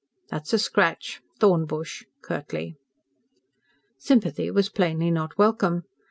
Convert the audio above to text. "That's a scratch. Thorn bush," curtly. Sympathy was plainly not welcome.